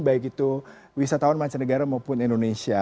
baik itu wisatawan mancanegara maupun indonesia